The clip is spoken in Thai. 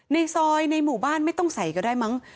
ในซอยในหมู่บ้านไม่ต้องใส่ก็ได้มั้ง